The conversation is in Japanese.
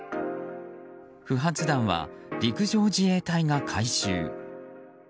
不発弾は陸上自衛隊が回収。